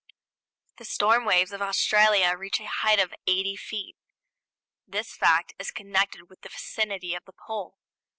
The storm waves of Australia reach a height of 80 feet; this fact is connected with the vicinity of the Pole.